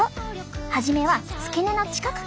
初めは付け根の近くから。